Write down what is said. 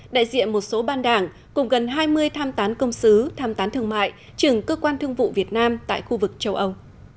đại diện một số ban đảng cùng gần hai mươi tham tán công sứ tham tán thương mại trưởng cơ quan thương vụ việt nam tại khu vực châu âu